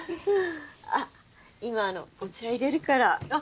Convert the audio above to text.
あっ今お茶いれるから。